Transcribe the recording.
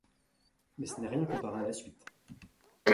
Mais ce n'est rien comparé à la suite.